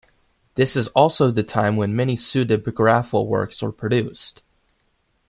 This is also the time when many pseudepigraphal works were produced.